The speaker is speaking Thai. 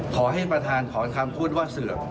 ขอให้ท่านประธานถอนคำพูดว่าเสื่อม